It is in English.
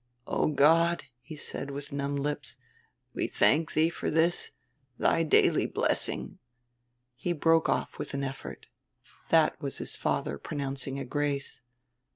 "Oh, God," he said, with numb lips, "we thank Thee for this, Thy daily blessing " He broke off with an effort. That was his father pronouncing a grace.